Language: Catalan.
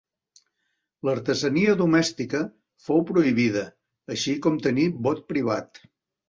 L'artesania domèstica fou prohibida, així com tenir bot privat.